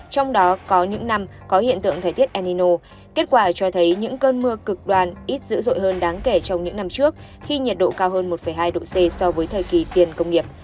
trong đó có những năm có hiện tượng thời tiết enino kết quả cho thấy những cơn mưa cực đoan ít dữ dội hơn đáng kể trong những năm trước khi nhiệt độ cao hơn một hai độ c so với thời kỳ tiền công nghiệp